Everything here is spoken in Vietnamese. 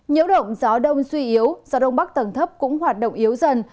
nhiễu động gió đông suy yếu gió đông bắc tầng thấp cũng hoạt động yếu dần